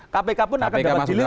kpk pun akan dapat dilihat